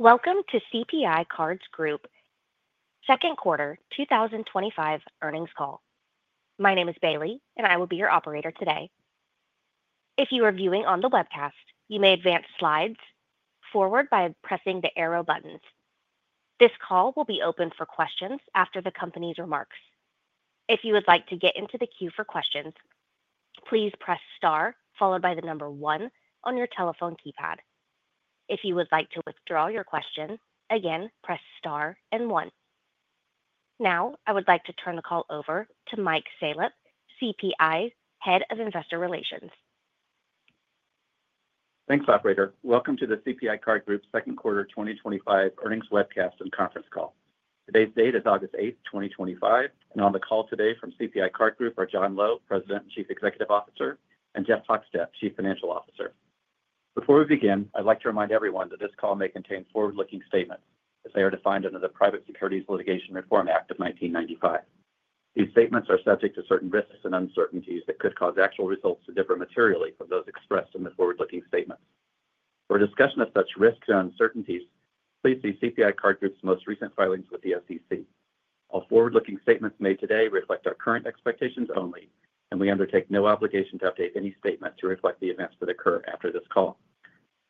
Welcome to CPI Card Group Second Quarter 2025 Earnings Call. My name is Bailey, and I will be your operator today. If you are viewing on the webcast, you may advance slides forward by pressing the arrow buttons. This call will be open for questions after the company's remarks. If you would like to get into the queue for questions, please press star followed by the number one on your telephone keypad. If you would like to withdraw your question, again press star and one. Now, I would like to turn the call over to Mike Salop, CPI Head of Investor Relations. Thanks, operator. Welcome to the CPI Card Group Second Quarter 2025 Earnings Webcast and Conference Call. Today's date is August 8, 2025, and on the call today from CPI Card Group are John Lowe, President and Chief Executive Officer, and Jeff Hochstadt, Chief Financial Officer. Before we begin, I'd like to remind everyone that this call may contain forward-looking statements, as they are defined under the Private Securities Litigation Reform Act of 1995. These statements are subject to certain risks and uncertainties that could cause actual results to differ materially from those expressed in the forward-looking statements. For discussion of such risks and uncertainties, please see CPI Card Group's most recent filings with the SEC. All forward-looking statements made today reflect our current expectations only, and we undertake no obligation to update any statement to reflect the events that occur after this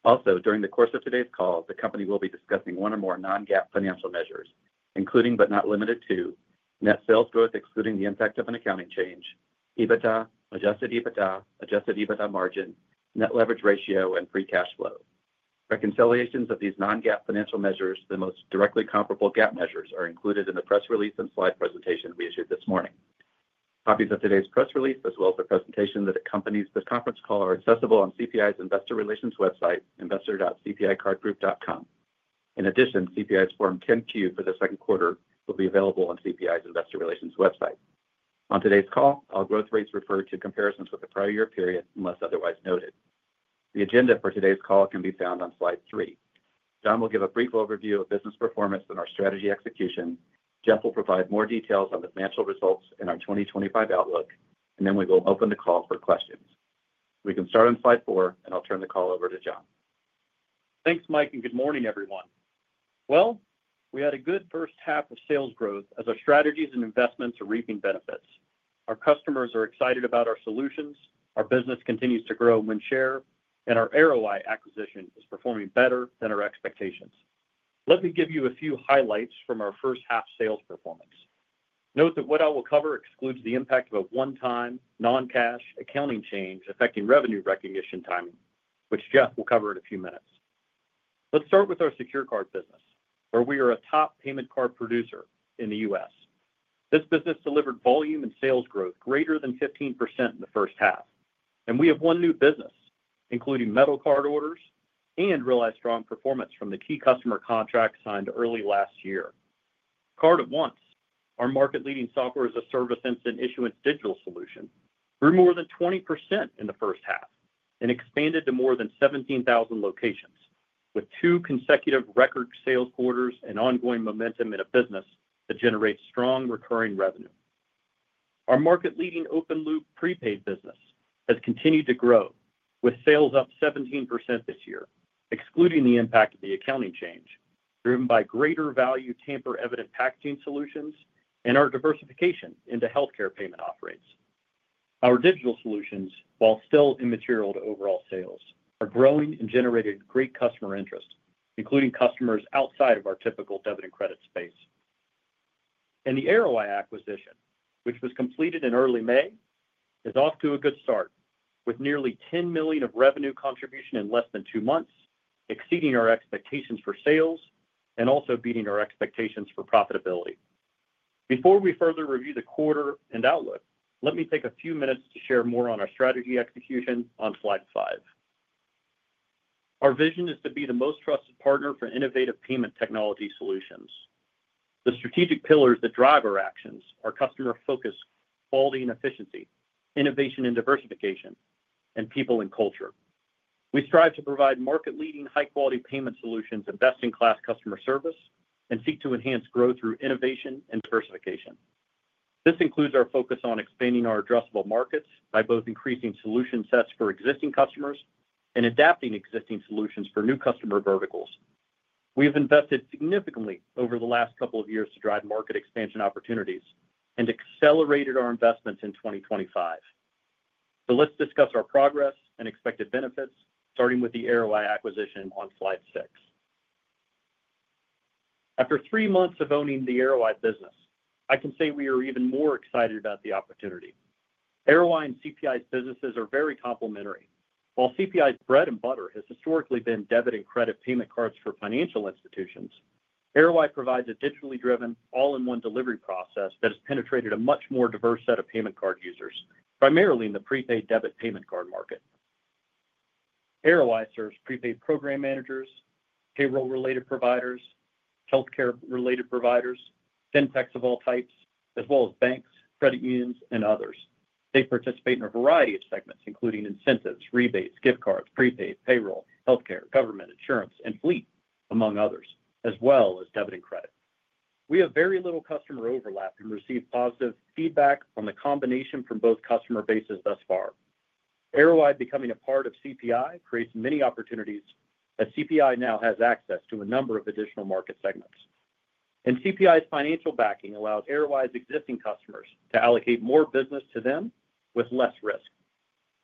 call. Also, during the course of today's call, the company will be discussing one or more non-GAAP financial measures, including but not limited to net sales growth, excluding the impact of an accounting change, EBITDA, adjusted EBITDA, adjusted EBITDA margin, net leverage ratio, and free cash flow. Reconciliations of these non-GAAP financial measures to the most directly comparable GAAP measures are included in the press release and slide presentation we issued this morning. Copies of today's press release, as well as the presentation that accompanies the conference call, are accessible on CPI's Investor Relations website, investor.cpicardgroup.com. In addition, CPI's Form 10-Q for the second quarter will be available on CPI's Investor Relations website. On today's call, all growth rates refer to comparisons with the prior year period unless otherwise noted. The agenda for today's call can be found on slide three. John will give a brief overview of business performance and our strategy execution. Jeff will provide more details on the financial results and our 2025 outlook, and then we will open the call for questions. We can start on slide four, and I'll turn the call over to John. Thanks, Mike, and good morning, everyone. We had a good first half of sales growth as our strategies and investments are reaping benefits. Our customers are excited about our solutions, our business continues to grow and share, and our Arroweye acquisition is performing better than our expectations. Let me give you a few highlights from our first half sales performance. Note that what I will cover excludes the impact of a one-time non-cash accounting change affecting revenue recognition timing, which Jeff will cover in a few minutes. Let's start with our secure card business, where we are a top payment card producer in the U.S. This business delivered volume and sales growth greater than 15% in the first half, and we have won new business, including metal card orders, and realized strong performance from the key customer contracts signed early last year. Card@Once, our market-leading software-as-a-service instant issuance digital solution, grew more than 20% in the first half and expanded to more than 17,000 locations, with two consecutive record sales quarters and ongoing momentum in a business that generates strong recurring revenue. Our market-leading open-loop prepaid business has continued to grow, with sales up 17% this year, excluding the impact of the accounting change, driven by greater value tamper-evident security packaging solutions and our diversification into healthcare payment offerings. Our digital solutions, while still immaterial to overall sales, are growing and generating great customer interest, including customers outside of our typical debit and credit space. The Arroweye acquisition, which was completed in early May, is off to a good start, with nearly $10 million of revenue contribution in less than two months, exceeding our expectations for sales and also beating our expectations for profitability. Before we further review the quarter and outlook, let me take a few minutes to share more on our strategy execution on slide five. Our vision is to be the most trusted partner for innovative payment technology solutions. The strategic pillars that drive our actions are customer focus, quality and efficiency, innovation and diversification, and people and culture. We strive to provide market-leading high-quality payment solutions and best-in-class customer service and seek to enhance growth through innovation and diversification. This includes our focus on expanding our addressable markets by both increasing solution sets for existing customers and adapting existing solutions for new customer verticals. We've invested significantly over the last couple of years to drive market expansion opportunities and accelerated our investments in 2025. Let's discuss our progress and expected benefits, starting with the Arroweye acquisition on slide six. After three months of owning the Arroweye business, I can say we are even more excited about the opportunity. Arroweye and CPI's businesses are very complementary. While CPI's bread and butter has historically been debit and credit payment cards for financial institutions, Arroweye provides a digitally driven, all-in-one delivery process that has penetrated a much more diverse set of payment card users, primarily in the prepaid debit payment card market. Arroweye serves prepaid program managers, payroll-related providers, healthcare-related providers, fintechs of all types, as well as banks, credit unions, and others. They participate in a variety of segments, including incentives, rebates, gift cards, prepaid, payroll, healthcare, government insurance, and fleet, among others, as well as debit and credit. We have very little customer overlap and receive positive feedback on the combination from both customer bases thus far. Arroweye becoming a part of CPI creates many opportunities as CPI now has access to a number of additional market segments. CPI's financial backing allows Arroweye's existing customers to allocate more business to them with less risk.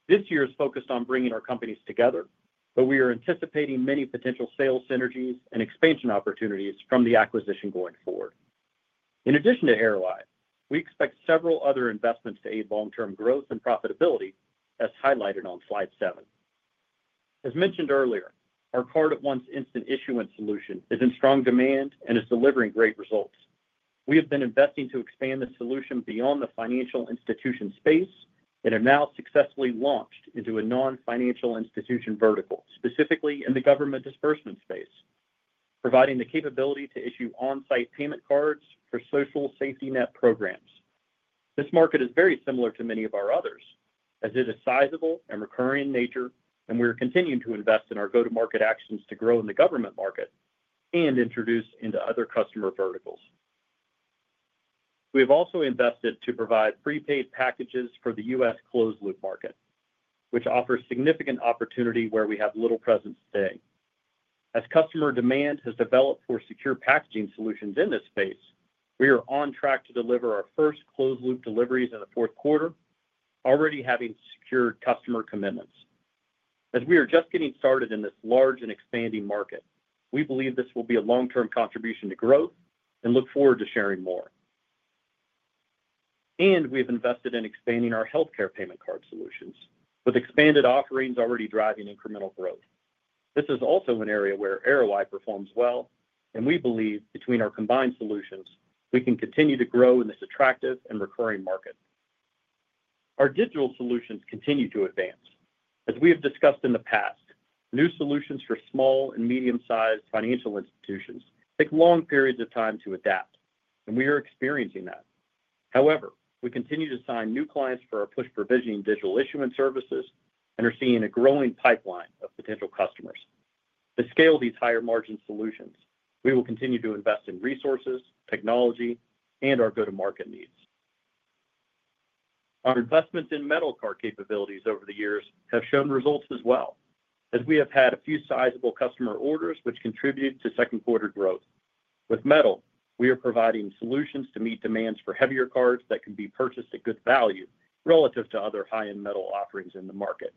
This year is focused on bringing our companies together, but we are anticipating many potential sales synergies and expansion opportunities from the acquisition going forward. In addition to Arroweye, we expect several other investments to aid long-term growth and profitability, as highlighted on slide seven. As mentioned earlier, our Card@Once instant issuance solution is in strong demand and is delivering great results. We have been investing to expand the solution beyond the financial institution space and have now successfully launched into a non-financial institution vertical, specifically in the government disbursement space, providing the capability to issue on-site payment cards for social safety net programs. This market is very similar to many of our others, as it is sizable and recurring in nature, and we are continuing to invest in our go-to-market actions to grow in the government market and introduce into other customer verticals. We have also invested to provide prepaid packages for the U.S. closed-loop market, which offers significant opportunity where we have little presence today. As customer demand has developed for secure packaging solutions in this space, we are on track to deliver our first closed-loop deliveries in the fourth quarter, already having secured customer commitments. As we are just getting started in this large and expanding market, we believe this will be a long-term contribution to growth and look forward to sharing more. We have invested in expanding our healthcare payment card solutions, with expanded offerings already driving incremental growth. This is also an area where Arroweye performs well, and we believe between our combined solutions, we can continue to grow in this attractive and recurring market. Our digital solutions continue to advance. As we have discussed in the past, new solutions for small and medium-sized financial institutions take long periods of time to adapt, and we are experiencing that. However, we continue to sign new clients for our push provisioning digital issuance services and are seeing a growing pipeline of potential customers. To scale these higher margin solutions, we will continue to invest in resources, technology, and our go-to-market needs. Our investments in metal card capabilities over the years have shown results as well, as we have had a few sizable customer orders which contributed to second quarter growth. With metal, we are providing solutions to meet demands for heavier cards that can be purchased at good value relative to other high-end metal offerings in the market.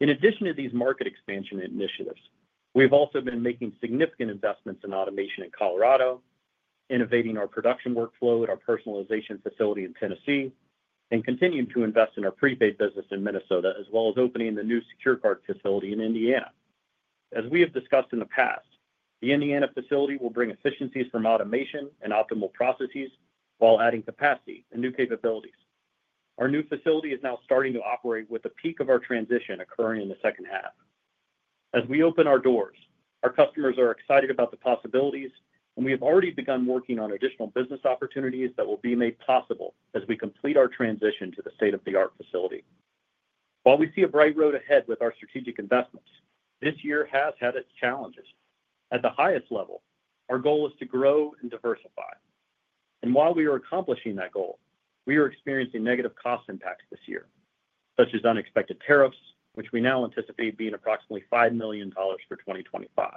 In addition to these market expansion initiatives, we have also been making significant investments in automation in Colorado, innovating our production workflow at our personalization facility in Tennessee, and continuing to invest in our prepaid business in Minnesota, as well as opening the new secure card facility in Indiana. As we have discussed in the past, the Indiana facility will bring efficiencies from automation and optimal processes while adding capacity and new capabilities. Our new facility is now starting to operate with the peak of our transition occurring in the second half. As we open our doors, our customers are excited about the possibilities, and we have already begun working on additional business opportunities that will be made possible as we complete our transition to the state-of-the-art facility. While we see a bright road ahead with our strategic investments, this year has had its challenges. At the highest level, our goal is to grow and diversify. While we are accomplishing that goal, we are experiencing negative cost impacts this year, such as unexpected tariffs, which we now anticipate being approximately $5 million for 2025.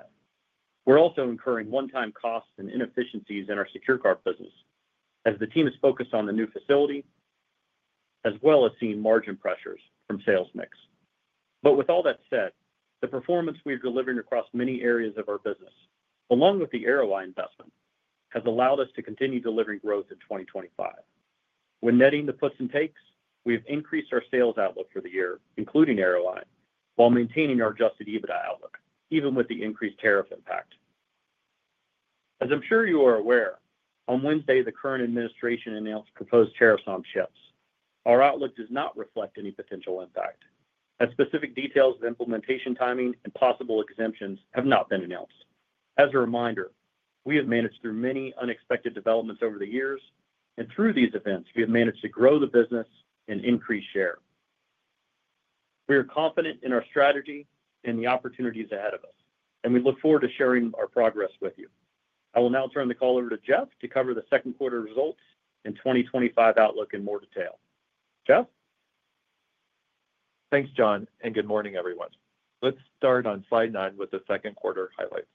We're also incurring one-time costs and inefficiencies in our secure card business, as the team is focused on the new facility, as well as seeing margin pressures from sales mix. With all that said, the performance we are delivering across many areas of our business, along with the Arroweye investment, has allowed us to continue delivering growth in 2025. When netting the puts and takes, we have increased our sales outlook for the year, including Arroweye, while maintaining our adjusted EBITDA outlook, even with the increased tariff impact. As I'm sure you are aware, on Wednesday, the current administration announced proposed tariffs on chips. Our outlook does not reflect any potential impact, as specific details of implementation timing and possible exemptions have not been announced. As a reminder, we have managed through many unexpected developments over the years, and through these events, we have managed to grow the business and increase share. We are confident in our strategy and the opportunities ahead of us, and we look forward to sharing our progress with you. I will now turn the call over to Jeff to cover the second quarter results and 2025 outlook in more detail. Jeff? Thanks, John, and good morning, everyone. Let's start on slide nine with the second quarter highlights.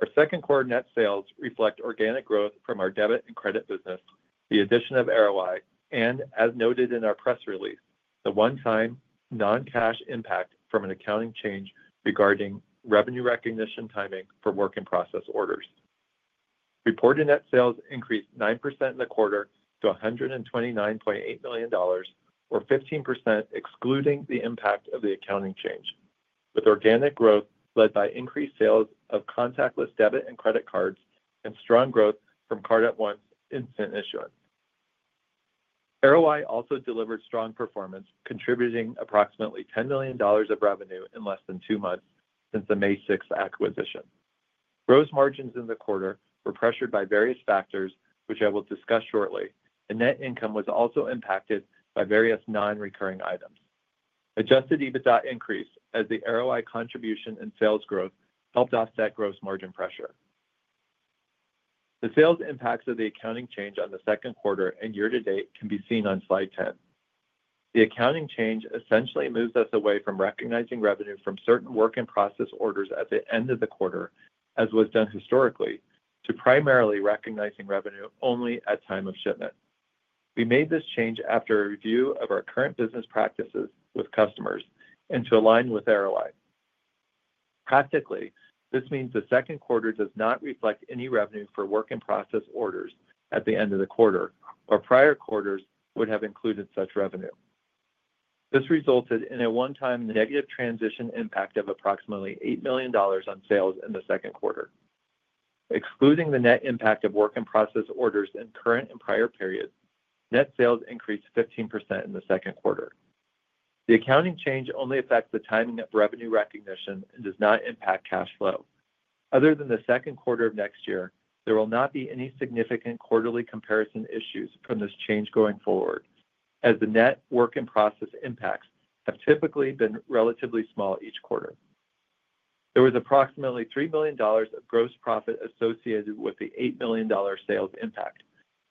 Our second quarter net sales reflect organic growth from our debit and credit business, the addition of Arroweye, and as noted in our press release, the one-time non-cash impact from an accounting change regarding revenue recognition timing for work-in-process orders. Reported net sales increased 9% in the quarter to $129.8 million, or 15% excluding the impact of the accounting change, with organic growth led by increased sales of contactless debit and credit cards and strong growth from Card@Once instant issuance. Arroweye also delivered strong performance, contributing approximately $10 million of revenue in less than two months since the May 6 acquisition. Gross margins in the quarter were pressured by various factors, which I will discuss shortly, and net income was also impacted by various non-recurring items. Adjusted EBITDA increased as the Arroweye contribution and sales growth helped offset gross margin pressure. The sales impacts of the accounting change on the second quarter and year to date can be seen on slide 10. The accounting change essentially moves us away from recognizing revenue from certain work-in-process orders at the end of the quarter, as was done historically, to primarily recognizing revenue only at time of shipment. We made this change after a review of our current business practices with customers and to align with Arroweye. Practically, this means the second quarter does not reflect any revenue for work-in-process orders at the end of the quarter, while prior quarters would have included such revenue. This resulted in a one-time negative transition impact of approximately $8 million on sales in the second quarter. Excluding the net impact of work-in-process orders in current and prior periods, net sales increased 15% in the second quarter. The accounting change only affects the timing of revenue recognition and does not impact cash flow. Other than the second quarter of next year, there will not be any significant quarterly comparison issues from this change going forward, as the net work-in-process impacts have typically been relatively small each quarter. There was approximately $3 million of gross profit associated with the $8 million sales impact.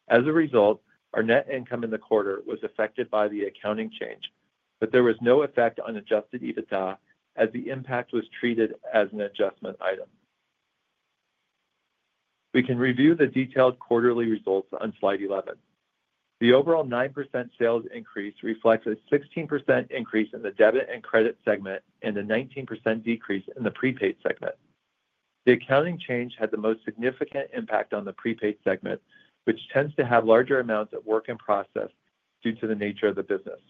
As a result, our net income in the quarter was affected by the accounting change, but there was no effect on adjusted EBITDA as the impact was treated as an adjustment item. We can review the detailed quarterly results on slide 11. The overall 9% sales increase reflects a 16% increase in the debit and credit segment and a 19% decrease in the prepaid segment. The accounting change had the most significant impact on the prepaid segment, which tends to have larger amounts of work-in-process due to the nature of the business.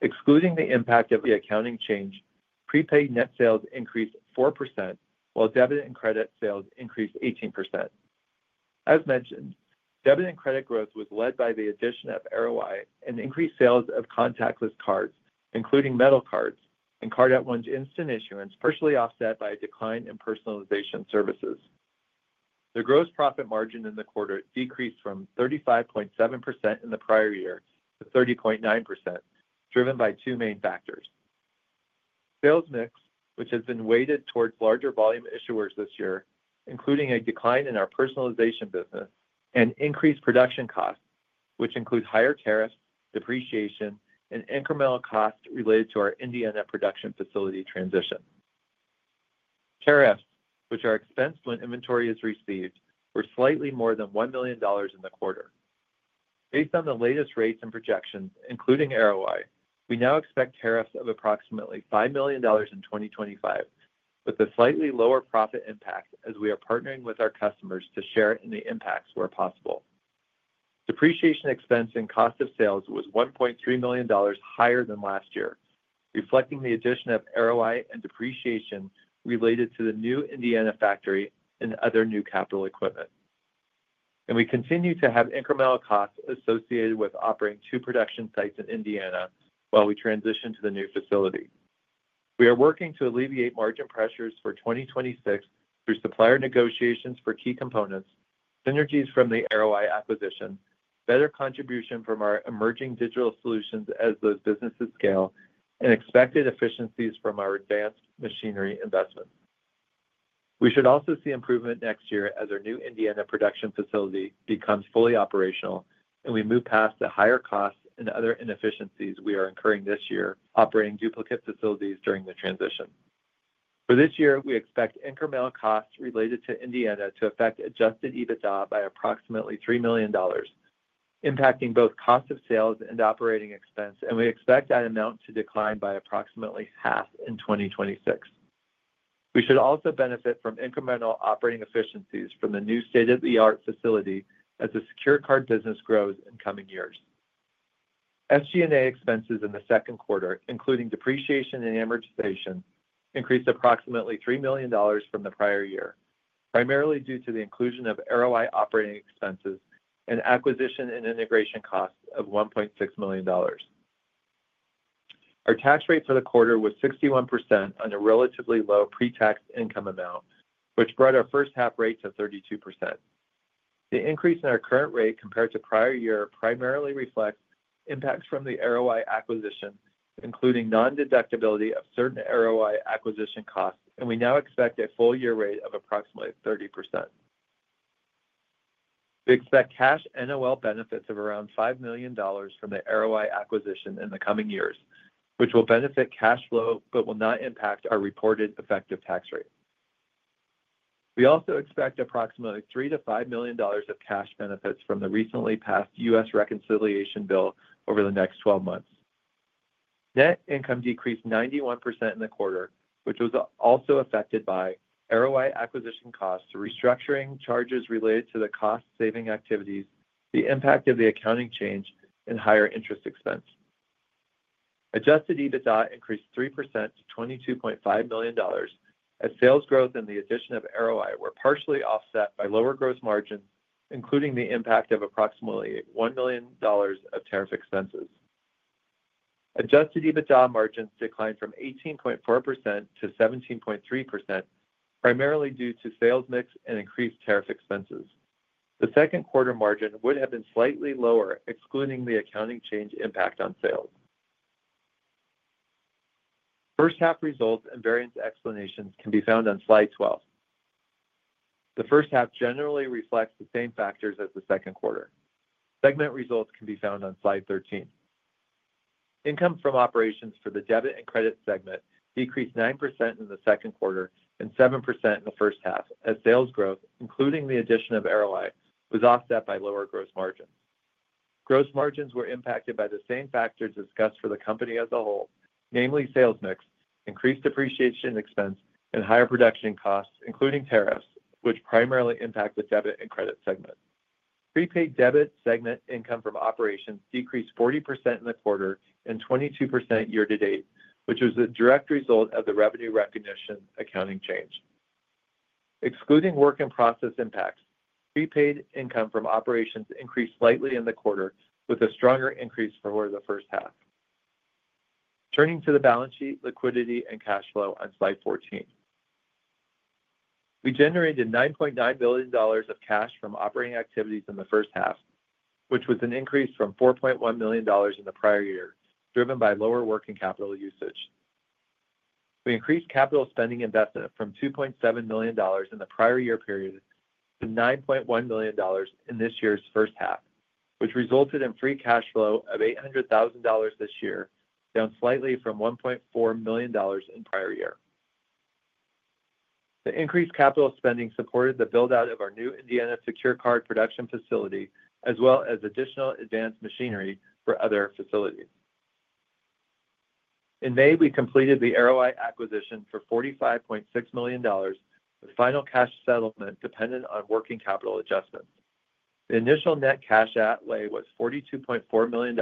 Excluding the impact of the accounting change, prepaid net sales increased 4%, while debit and credit sales increased 18%. As mentioned, debit and credit growth was led by the addition of Arroweye and increased sales of contactless cards, including metal cards, and Card@Once instant issuance, partially offset by a decline in personalization services. The gross profit margin in the quarter decreased from 35.7% in the prior year to 30.9%, driven by two main factors: sales mix, which has been weighted towards larger volume issuers this year, including a decline in our personalization business, and increased production costs, which includes higher tariffs, depreciation, and incremental costs related to our Indiana production facility transition. Tariffs, which are expensed when inventory is received, were slightly more than $1 million in the quarter. Based on the latest rates and projections, including Arroweye, we now expect tariffs of approximately $5 million in 2025, with a slightly lower profit impact as we are partnering with our customers to share in the impacts where possible. Depreciation expense and cost of sales was $1.3 million higher than last year, reflecting the addition of Arroweye and depreciation related to the new Indiana factory and other new capital equipment. We continue to have incremental costs associated with operating two production sites in Indiana while we transition to the new facility. We are working to alleviate margin pressures for 2026 through supplier negotiations for key components, synergies from the Arroweye acquisition, better contribution from our emerging digital solutions as those businesses scale, and expected efficiencies from our advanced machinery investments. We should also see improvement next year as our new Indiana production facility becomes fully operational and we move past the higher costs and other inefficiencies we are incurring this year operating duplicate facilities during the transition. For this year, we expect incremental costs related to Indiana to affect adjusted EBITDA by approximately $3 million, impacting both cost of sales and operating expense, and we expect that amount to decline by approximately half in 2026. We should also benefit from incremental operating efficiencies from the new state-of-the-art facility as the secure card business grows in coming years. SG&A expenses in the second quarter, including depreciation and amortization, increased approximately $3 million from the prior year, primarily due to the inclusion of Arroweye operating expenses and acquisition and integration costs of $1.6 million. Our tax rate for the quarter was 61% on a relatively low pre-tax income amount, which brought our first half rates to 32%. The increase in our current rate compared to prior year primarily reflects impacts from the Arroweye acquisition, including non-deductibility of certain Arroweye acquisition costs, and we now expect a full year rate of approximately 30%. We expect cash NOL benefits of around $5 million from the Arroweye acquisition in the coming years, which will benefit cash flow but will not impact our reported effective tax rate. We also expect approximately $3 million-$5 million of cash benefits from the recently passed U.S. reconciliation bill over the next 12 months. Net income decreased 91% in the quarter, which was also affected by Arroweye acquisition costs, restructuring charges related to the cost-saving activities, the impact of the accounting change, and higher interest expense. Adjusted EBITDA increased 3% to $22.5 million, as sales growth and the addition of Arroweye were partially offset by lower gross margins, including the impact of approximately $1 million of tariff expenses. Adjusted EBITDA margins declined from 18.4% to 17.3%, primarily due to sales mix and increased tariff expenses. The second quarter margin would have been slightly lower, excluding the accounting change impact on sales. First half results and variance explanations can be found on slide 12. The first half generally reflects the same factors as the second quarter. Segment results can be found on slide 13. Income from operations for the debit and credit segment decreased 9% in the second quarter and 7% in the first half, as sales growth, including the addition of Arroweye, was offset by lower gross margins. Gross margins were impacted by the same factors discussed for the company as a whole, namely sales mix, increased depreciation expense, and higher production costs, including tariffs, which primarily impact the debit and credit segment. Prepaid debit segment income from operations decreased 40% in the quarter and 22% year to date, which was a direct result of the revenue recognition accounting change. Excluding work-in-process impacts, prepaid income from operations increased slightly in the quarter, with a stronger increase for the first half. Turning to the balance sheet, liquidity, and cash flow on slide 14. We generated $9.9 million of cash from operating activities in the first half, which was an increase from $4.1 million in the prior year, driven by lower working capital usage. We increased capital spending investment from $2.7 million in the prior year period to $9.1 million in this year's first half, which resulted in free cash flow of $800,000 this year, down slightly from $1.4 million in the prior year. The increased capital spending supported the build-out of our new Indiana secure card production facility, as well as additional advanced machinery for other facilities. In May, we completed the Arroweye acquisition for $45.6 million, with final cash settlement dependent on working capital adjustments. The initial net cash outlay was $42.4 million,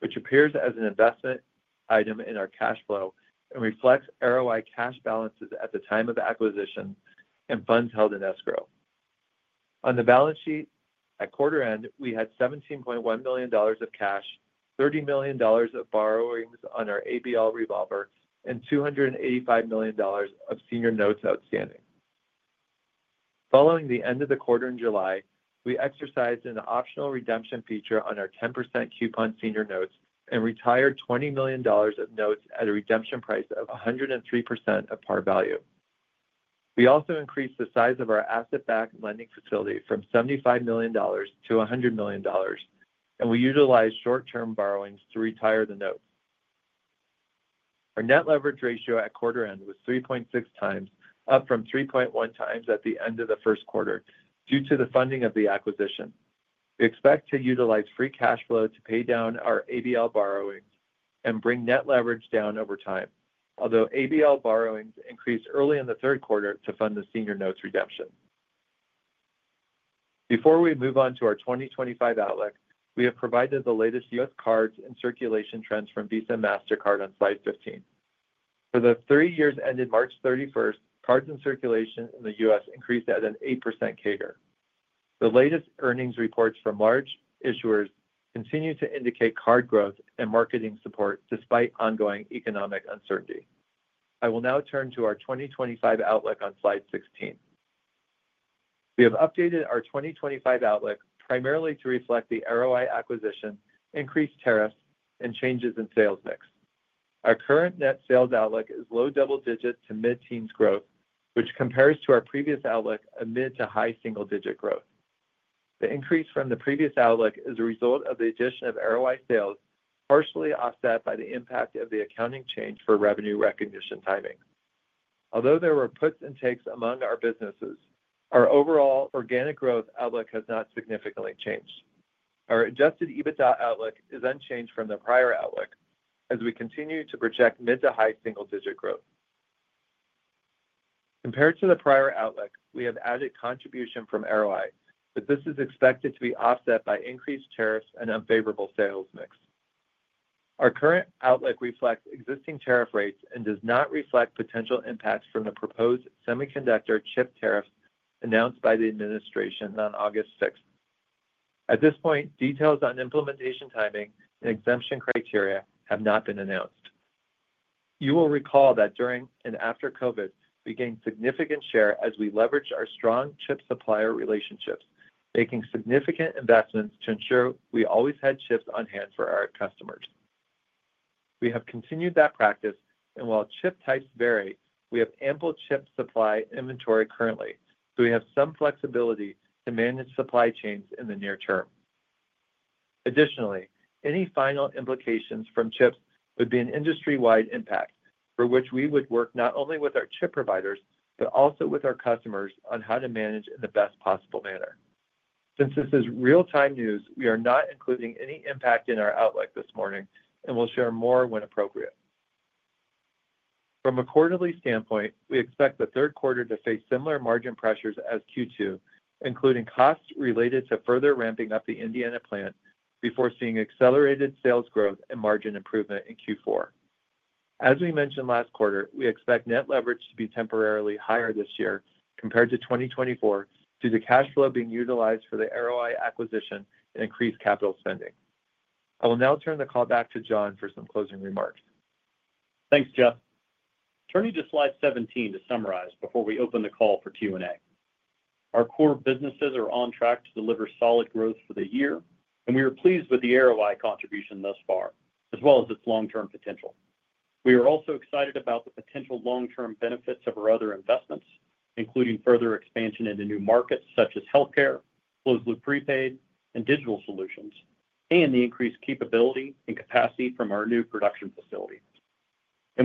which appears as an investment item in our cash flow and reflects Arroweye cash balances at the time of acquisition and funds held in escrow. On the balance sheet at quarter end, we had $17.1 million of cash, $30 million of borrowings on our ABL revolver, and $285 million of senior notes outstanding. Following the end of the quarter in July, we exercised an optional redemption feature on our 10% coupon senior notes and retired $20 million of notes at a redemption price of 103% of par value. We also increased the size of our asset-backed lending facility from $75 million to $100 million, and we utilized short-term borrowings to retire the notes. Our net leverage ratio at quarter end was 3.6x, up from 3.1x at the end of the first quarter due to the funding of the acquisition. We expect to utilize free cash flow to pay down our ABL borrowings and bring net leverage down over time, although ABL borrowings increased early in the third quarter to fund the senior notes redemption. Before we move on to our 2025 outlook, we have provided the latest U.S. cards and circulation trends from Visa and MasterCard on slide 15. For the three years ended March 31st, cards in circulation in the U.S. increased at an 8% CAGR. The latest earnings reports from large issuers continue to indicate card growth and marketing support despite ongoing economic uncertainty. I will now turn to our 2025 outlook on slide 16. We have updated our 2025 outlook primarily to reflect the Arroweye acquisition, increased tariffs, and changes in sales mix. Our current net sales outlook is low double-digit to mid-teens growth, which compares to our previous outlook of mid to high single-digit growth. The increase from the previous outlook is a result of the addition of Arroweye sales, partially offset by the impact of the accounting change for revenue recognition timing. Although there were puts and takes among our businesses, our overall organic growth outlook has not significantly changed. Our adjusted EBITDA outlook is unchanged from the prior outlook, as we continue to project mid to high single-digit growth. Compared to the prior outlook, we have added contribution from Arroweye, but this is expected to be offset by increased tariffs and unfavorable sales mix. Our current outlook reflects existing tariff rates and does not reflect potential impacts from the proposed semiconductor chip tariffs announced by the administration on August 6. At this point, details on implementation timing and exemption criteria have not been announced. You will recall that during and after COVID, we gained significant share as we leveraged our strong chip supplier relationships, making significant investments to ensure we always had chips on hand for our customers. We have continued that practice, and while chip types vary, we have ample chip supply inventory currently, so we have some flexibility to manage supply chains in the near term. Additionally, any final implications from chips would be an industry-wide impact, for which we would work not only with our chip providers but also with our customers on how to manage in the best possible manner. Since this is real-time news, we are not including any impact in our outlook this morning, and we'll share more when appropriate. From a quarterly standpoint, we expect the third quarter to face similar margin pressures as Q2, including costs related to further ramping up the Indiana plant before seeing accelerated sales growth and margin improvement in Q4. As we mentioned last quarter, we expect net leverage to be temporarily higher this year compared to 2024 due to cash flow being utilized for the Arroweye acquisition and increased capital spending. I will now turn the call back to John for some closing remarks. Thanks, Jeff. Turning to slide 17 to summarize before we open the call for Q&A. Our core businesses are on track to deliver solid growth for the year, and we are pleased with the Arroweye contribution thus far, as well as its long-term potential. We are also excited about the potential long-term benefits of our other investments, including further expansion into new markets such as healthcare, closed-loop prepaid, and digital solutions, and the increased capability and capacity from our new production facility.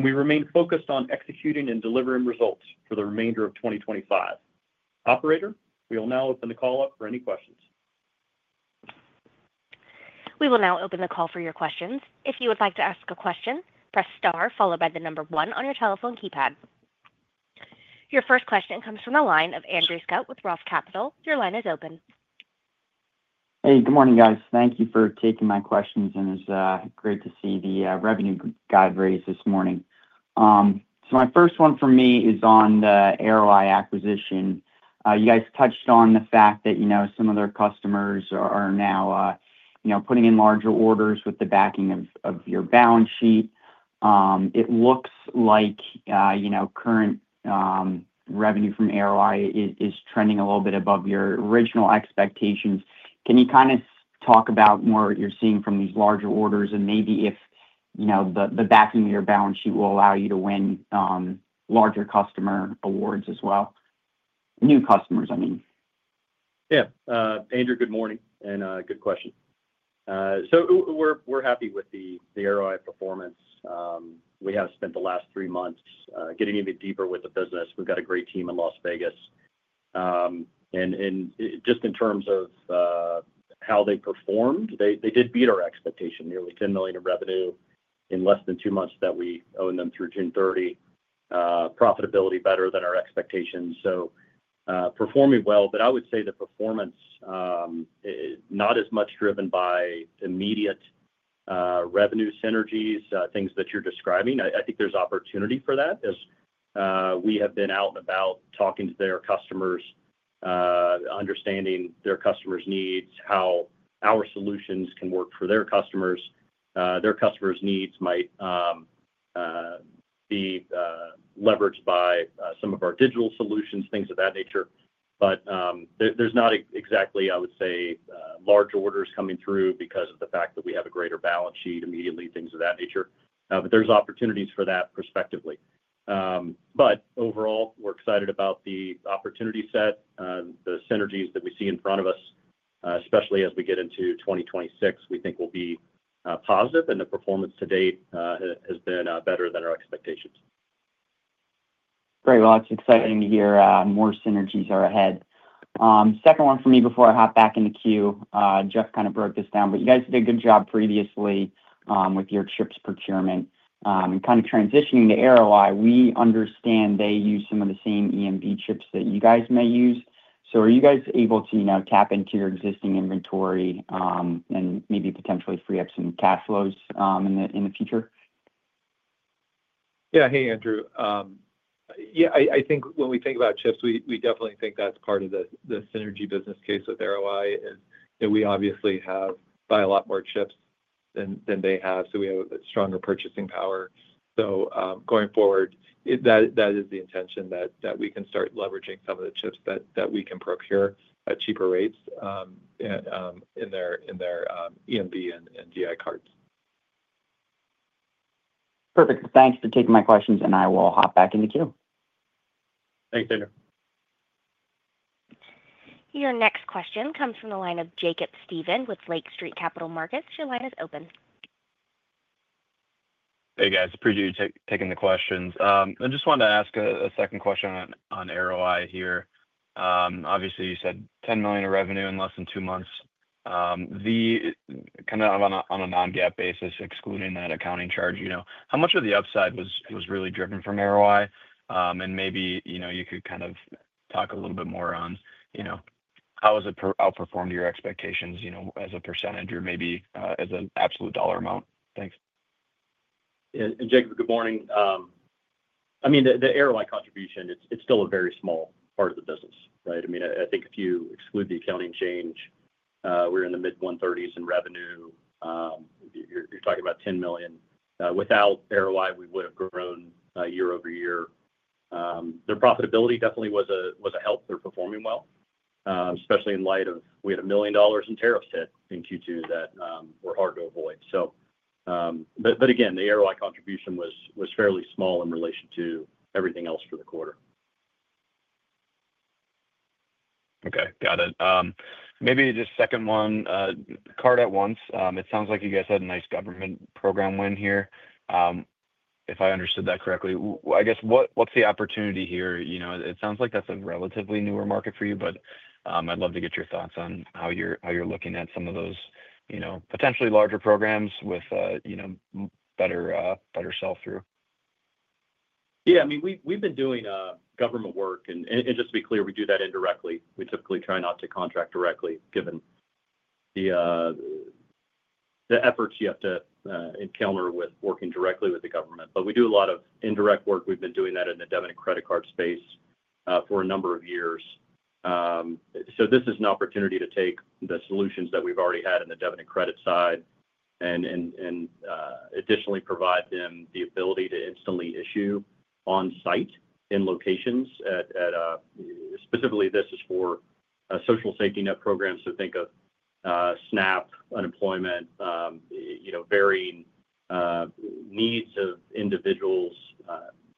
We remain focused on executing and delivering results for the remainder of 2025. Operator, we will now open the call up for any questions. We will now open the call for your questions. If you would like to ask a question, press star followed by the number one on your telephone keypad. Your first question comes from the line of Andrew Scutt with ROTH Capital. Your line is open. Hey, good morning, guys. Thank you for taking my questions, and it's great to see the revenue guide raised this morning. My first one for me is on the Arroweye acquisition. You guys touched on the fact that some of their customers are now putting in larger orders with the backing of your balance sheet. It looks like current revenue from Arroweye is trending a little bit above your original expectations. Can you kind of talk about more what you're seeing from these larger orders and maybe if the backing of your balance sheet will allow you to win larger customer awards as well? New customers, I mean. Yeah. Andrew, good morning and good question. We're happy with the Arroweye performance. We have spent the last three months getting even deeper with the business. We've got a great team in Las Vegas. In terms of how they performed, they did beat our expectation, nearly $10 million in revenue in less than two months that we owned them through June 30. Profitability better than our expectations. Performing well, I would say the performance is not as much driven by immediate revenue synergies, things that you're describing. I think there's opportunity for that as we have been out and about talking to their customers, understanding their customers' needs, how our solutions can work for their customers. Their customers' needs might be leveraged by some of our digital solutions, things of that nature. There's not exactly, I would say, large orders coming through because of the fact that we have a greater balance sheet immediately, things of that nature. There's opportunities for that prospectively. Overall, we're excited about the opportunity set, the synergies that we see in front of us, especially as we get into 2026, we think will be positive, and the performance to date has been better than our expectations. Great. It's exciting to hear more synergies are ahead. Second one for me before I hop back in the queue. Jeff kind of broke this down, but you guys did a good job previously with your chips procurement and transitioning to Arroweye. We understand they use some of the same EMV chips that you guys may use. Are you guys able to tap into your existing inventory and maybe potentially free up some cash flows in the future? Yeah. Hey, Andrew. I think when we think about chips, we definitely think that's part of the synergy business case with Arroweye. We obviously buy a lot more chips than they have, so we have a stronger purchasing power. Going forward, that is the intention that we can start leveraging some of the chips that we can procure at cheaper rates in their EMV and GI cards. Perfect. Thanks for taking my questions, and I will hop back in the queue. Thanks, Andrew. Your next question comes from the line of Jacob Stephan with Lake Street Capital Markets. Your line is open. Hey, guys. I appreciate you taking the questions. I just wanted to ask a second question on Arroweye here. Obviously, you said $10 million in revenue in less than two months. On a non-GAAP basis, excluding that accounting charge, how much of the upside was really driven from Arroweye? Maybe you could talk a little bit more on how has it outperformed your expectations, as a percentage or maybe as an absolute dollar amount? Thanks. Yeah. Jacob, good morning. The Arroweye contribution, it's still a very small part of the business, right? I think if you exclude the accounting change, we're in the mid-$130 million in revenue. You're talking about $10 million. Without Arroweye, we would have grown year-over-year. Their profitability definitely was a help. They're performing well, especially in light of we had $1 million in tariffs hit in Q2 that were hard to avoid. The Arroweye contribution was fairly small in relation to everything else for the quarter. Okay. Got it. Maybe just second one, Card@Once. It sounds like you guys had a nice government program win here, if I understood that correctly. I guess what's the opportunity here? It sounds like that's a relatively newer market for you, but I'd love to get your thoughts on how you're looking at some of those potentially larger programs with better sell-through. Yeah. I mean, we've been doing government work, and just to be clear, we do that indirectly. We typically try not to contract directly, given the efforts you have to encounter with working directly with the government. We do a lot of indirect work. We've been doing that in the debit and credit card space for a number of years. This is an opportunity to take the solutions that we've already had in the debit and credit side and additionally provide them the ability to instantly issue on-site in locations. Specifically, this is for social safety net programs. Think of SNAP, unemployment, varying needs of individuals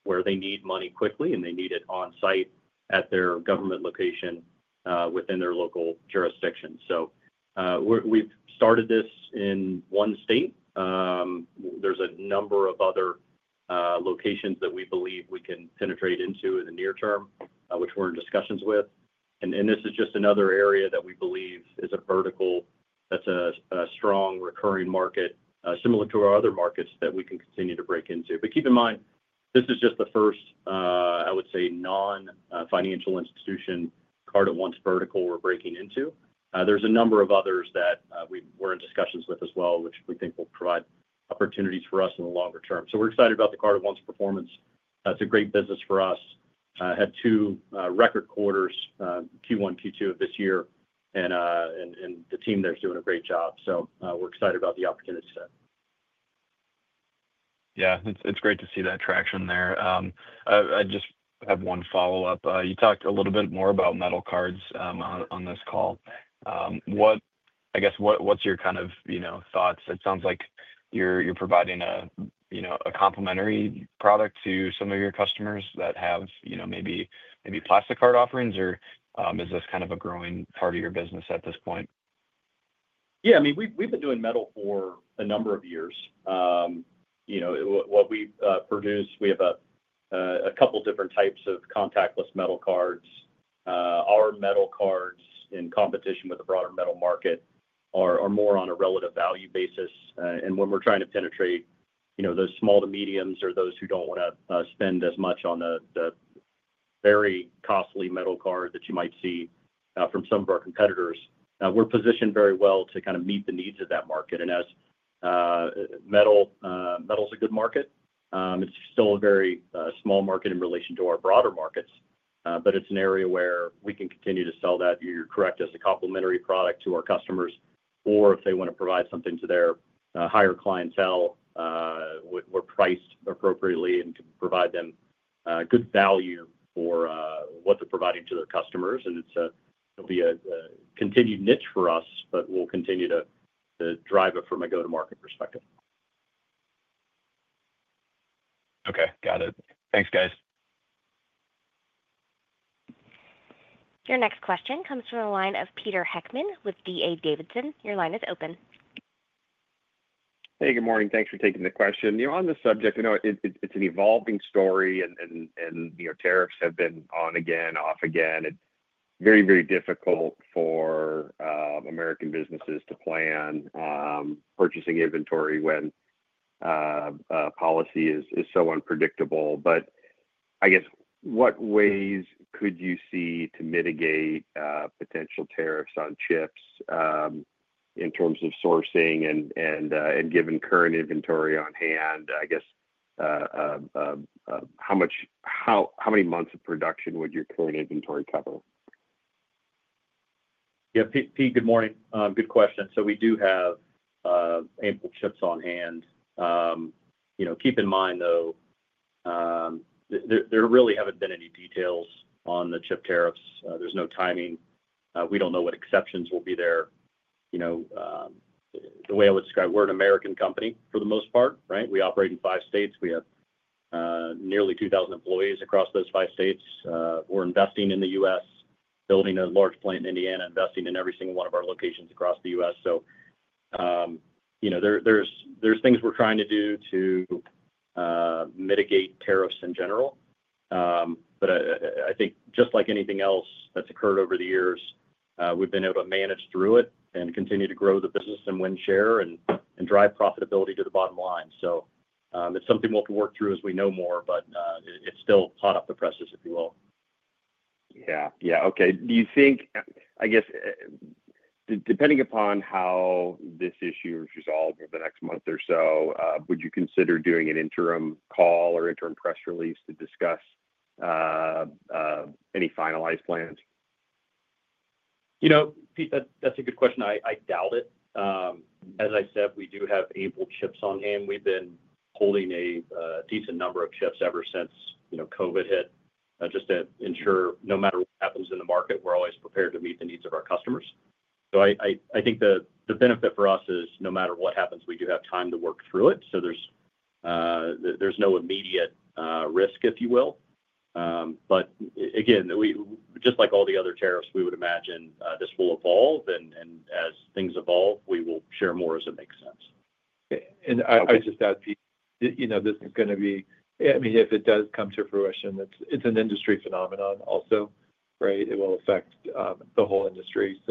where they need money quickly and they need it on-site at their government location within their local jurisdiction. We've started this in one state. There's a number of other locations that we believe we can penetrate into in the near term, which we're in discussions with. This is just another area that we believe is a vertical that's a strong recurring market, similar to our other markets that we can continue to break into. Keep in mind, this is just the first, I would say, non-financial institution Card@Once vertical we're breaking into. There's a number of others that we're in discussions with as well, which we think will provide opportunities for us in the longer term. We're excited about the Card@Once performance. It's a great business for us. Had two record quarters Q1, Q2 of this year, and the team there is doing a great job. We're excited about the opportunity set. Yeah. It's great to see that traction there. I just have one follow-up. You talked a little bit more about metal cards on this call. What are your thoughts? It sounds like you're providing a complementary product to some of your customers that have maybe plastic card offerings, or is this a growing part of your business at this point? Yeah. I mean, we've been doing metal for a number of years. What we produce, we have a couple of different types of contactless metal cards. Our metal cards, in competition with the broader metal market, are more on a relative value basis. When we're trying to penetrate those small to mediums or those who don't want to spend as much on the very costly metal cards that you might see from some of our competitors, we're positioned very well to kind of meet the needs of that market. Metal is a good market, it's still a very small market in relation to our broader markets, but it's an area where we can continue to sell that, you're correct, as a complementary product to our customers. If they want to provide something to their higher clientele, we're priced appropriately and can provide them good value for what they're providing to their customers. It'll be a continued niche for us, but we'll continue to drive it from a go-to-market perspective. Okay. Got it. Thanks, guys. Your next question comes from the line of Peter Heckmann with D.A. Davidson. Your line is open. Hey, good morning. Thanks for taking the question. On this subject, I know it's an evolving story, and tariffs have been on again, off again. It's very, very difficult for American businesses to plan purchasing inventory when policy is so unpredictable. I guess, what ways could you see to mitigate potential tariffs on chips in terms of sourcing? Given current inventory on hand, I guess, how many months of production would your current inventory cover? Yeah. Good morning. Good question. We do have ample chips on hand. Keep in mind, though, there really haven't been any details on the semiconductor chip tariffs. There's no timing. We don't know what exceptions will be there. The way I would describe it, we're an American company for the most part, right? We operate in five states. We have nearly 2,000 employees across those five states. We're investing in the U.S., building a large plant in Indiana, investing in every single one of our locations across the U.S. There are things we're trying to do to mitigate tariffs in general. I think just like anything else that's occurred over the years, we've been able to manage through it and continue to grow the business and win share and drive profitability to the bottom line. It's something we'll have to work through as we know more, but it's still hot off the presses, if you will. Okay. Do you think, I guess, depending upon how this issue is resolved over the next month or so, would you consider doing an interim call or interim press release to discuss any finalized plans? You know, Pete, that's a good question. I doubt it. As I said, we do have ample chips on hand. We've been holding a decent number of chips ever since COVID hit, just to ensure no matter what happens in the market, we're always prepared to meet the needs of our customers. I think the benefit for us is no matter what happens, we do have time to work through it. There's no immediate risk, if you will. Again, just like all the other tariffs, we would imagine this will evolve, and as things evolve, we will share more as it makes sense. I would just add, Pete, this is going to be, I mean, if it does come to fruition, it's an industry phenomenon also, right? It will affect the whole industry.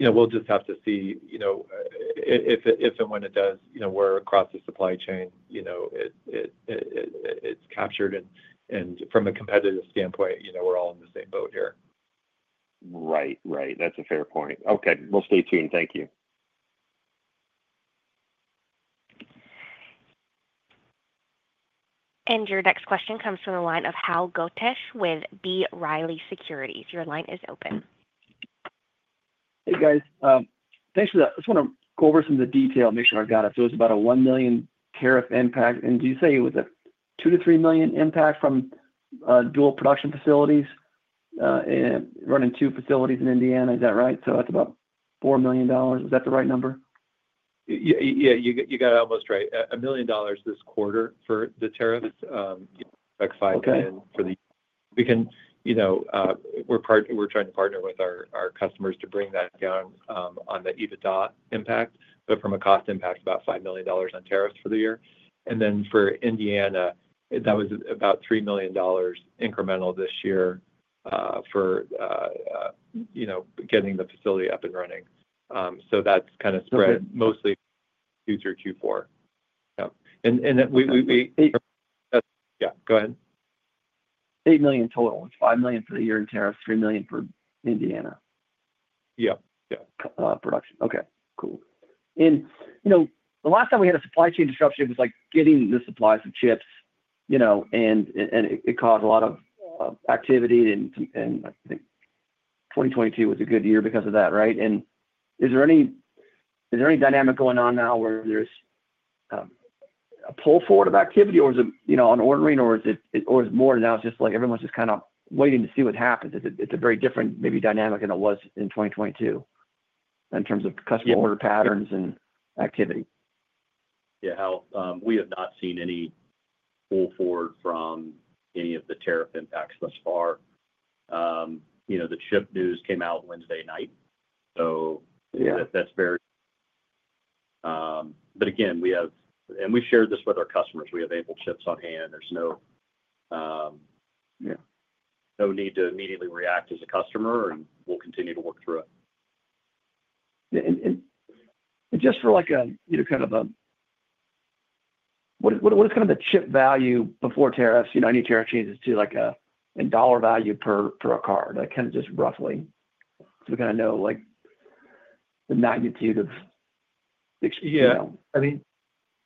We'll just have to see if and when it does, where across the supply chain it's captured. From a competitive standpoint, we're all in the same boat here. Right. That's a fair point. Okay, we'll stay tuned. Thank you. Your next question comes from the line of Hal Goetsch with B. Riley Securities. Your line is open. Hey, guys. Thanks for that. I just want to go over some of the detail and make sure I've got it. It was about a $1 million tariff impact. Did you say it was a $2 million-$3 million impact from dual production facilities? Running two facilities in Indiana, is that right? That's about $4 million. Is that the right number? Yeah. You got it almost right. $1 million this quarter for the tariffs. You expect $5 million for the... We're trying to partner with our customers to bring that down on the EBITDA impact. From a cost impact, about $5 million on tariffs for the year. For Indiana, that was about $3 million incremental this year for getting the facility up and running. That's kind of spread mostly Q2 to Q4. Yeah. Go ahead. $8 million total. $5 million for the year in semiconductor chip tariffs, $3 million for Indiana. Yeah. Yeah. Okay. The last time we had a supply chain disruption, it was like getting the supplies of chips, you know, and it caused a lot of activity. I think 2022 was a good year because of that, right? Is there any dynamic going on now where there's a pull forward of activity, or is it on ordering, or is it more now it's just like everyone's just kind of waiting to see what happens? It's a very different maybe dynamic than it was in 2022 in terms of customer order patterns and activity. Yeah. Hal, we have not seen any pull forward from any of the tariff impacts thus far. You know, the chip news came out Wednesday night. That's very... We have, and we've shared this with our customers, we have ample chips on hand. There's no... Yeah. No need to immediately react as a customer, and we'll continue to work through it. For like a, you know, kind of a... What is kind of the chip value before tariffs? Any tariff changes to like a dollar value per a card, like kind of just roughly? We kind of know like the magnitude of... Yeah, I mean,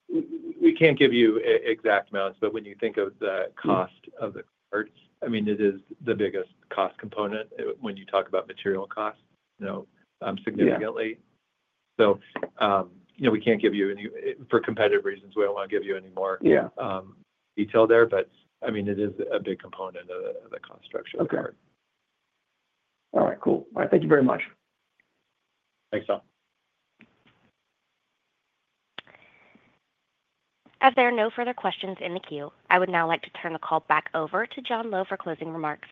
we can't give you exact amounts, but when you think of the cost of the cards, I mean, it is the biggest cost component when you talk about material cost, significantly. Yeah, we can't give you any... For competitive reasons, we don't want to give you any more detail there. I mean, it is a big component of the cost structure of the card. Okay. All right. Cool. All right. Thank you very much. Thanks, Hal. If there are no further questions in the queue, I would now like to turn the call back over to John Lowe for closing remarks.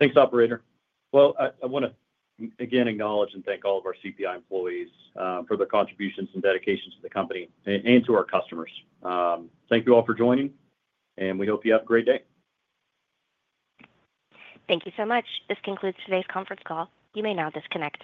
Thanks, operator. I want to again acknowledge and thank all of our CPI employees for their contributions and dedication to the company and to our customers. Thank you all for joining, and we hope you have a great day. Thank you so much. This concludes today's conference call. You may now disconnect.